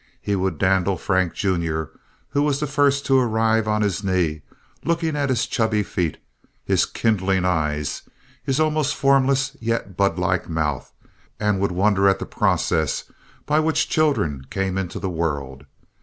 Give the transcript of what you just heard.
He would dandle Frank, Jr., who was the first to arrive, on his knee, looking at his chubby feet, his kindling eyes, his almost formless yet bud like mouth, and wonder at the process by which children came into the world.